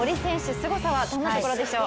すごさはどんなところでしょう。